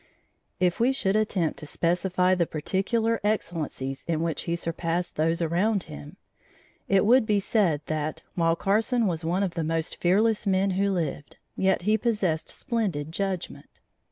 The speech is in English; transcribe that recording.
If we should attempt to specify the particular excellencies in which he surpassed those around him, it would be said that while Carson was one of the most fearless men who lived, yet he possessed splendid judgment.